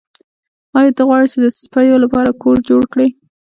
ایا ته غواړې چې د سپیو لپاره کور جوړ کړې